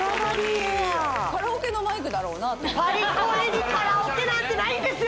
エアーカラオケのマイクだろうなとパリコレにカラオケなんてないんですよ